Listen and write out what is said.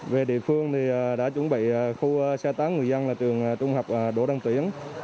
về địa phương thì đã chuẩn bị khu sơ tán người dân là trường trung học đỗ đăng tuyển